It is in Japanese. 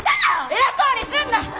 偉そうにすんな！